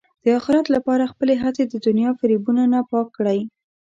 د اخرت لپاره خپلې هڅې د دنیا فریبونو نه پاک کړئ.